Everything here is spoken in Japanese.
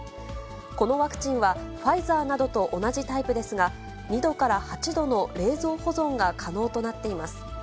このワクチンは、ファイザーなどと同じタイプですが、２度から８度の冷蔵保存が可能となっています。